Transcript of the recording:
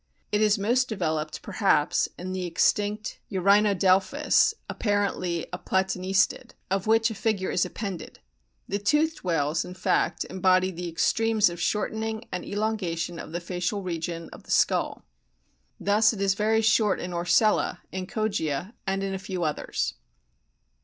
It is most developed, perhaps, in the extinct Eurhinodelphis (apparently a Platanistid), of which a figure is appended. The toothed whales, in fact, embody the extremes of shortening and elongation of the facial region of the skull. Thus it is very short in Orcella, in Kogia, and in a few others.